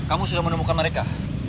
kamu sudah menemukan mereka